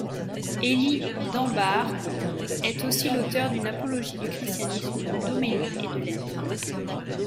Élie d'Anbar est aussi l'auteur d'une apologie du christianisme, d'homélies et de lettres.